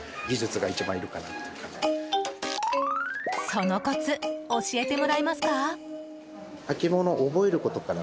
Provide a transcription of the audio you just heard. そのコツ教えてもらえますか？